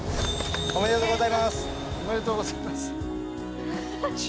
おめでとうございます！